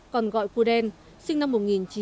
còn gọi cu đen sinh năm một nghìn chín trăm bảy mươi